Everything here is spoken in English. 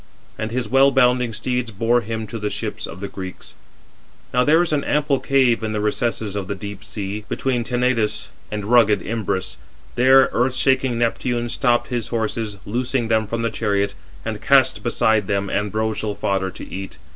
And his well bounding steeds bore him to the ships of the Greeks. Now there is an ample cave 413 in the recesses of the deep sea, between Tenedos and rugged Imbrus. There earth shaking Neptune stopped his horses, loosing them from the chariot, and cast beside [them] ambrosial fodder to eat.